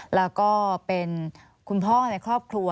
แล้วก็เป็นคุณพ่อในครอบครัว